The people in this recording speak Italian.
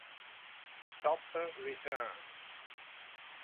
Topper Returns